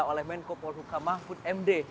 oleh menko polhukamah put md